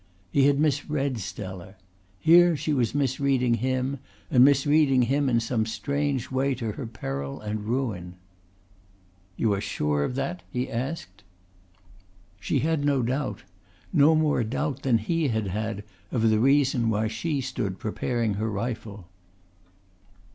He had misread Stella. Here was she misreading him and misreading him in some strange way to her peril and ruin. "You are sure of that?" he asked. She had no doubt no more doubt than he had had of the reason why she stood preparing her rifle.